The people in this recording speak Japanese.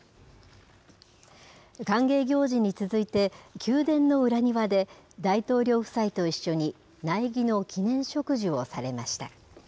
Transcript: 歓迎行事に続いて、宮殿の裏庭で大統領夫妻と一緒に、苗木の記念植樹をされました。